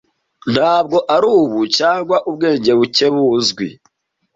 Ntabwo arubu, cyangwa ubwenge buke buzwi.